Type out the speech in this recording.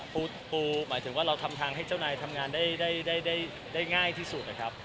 ปูหมายถึงว่าเราทำทางให้เจ้านายทำงานได้ง่ายที่สุดนะครับ